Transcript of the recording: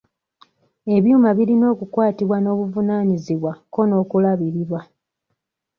Ebyuma birina okukwatibwa n'obuvunaanyizibwa kko n'okulabirirwa.